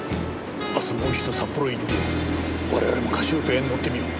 明日もう一度札幌へ行って我々もカシオペアに乗ってみよう。